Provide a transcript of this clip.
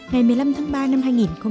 ngày một mươi năm tháng ba năm hai nghìn